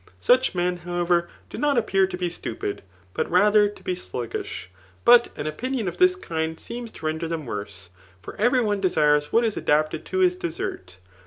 Such men, however, do not appear to be stU{Hd, but rather to be sluggish. But an opinion of this kind seems to render them worse ; for every ooedesra what is adapted to his desert.